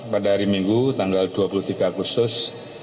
pada hari minggu tanggal dua puluh tiga agustus dua ribu dua puluh